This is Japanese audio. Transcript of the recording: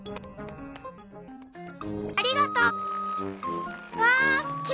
ありがとう。